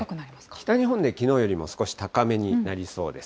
北日本できのうよりも少し高めになりそうです。